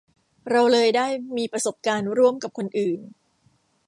เราเลยได้มีประสบการณ์ร่วมกับคนอื่น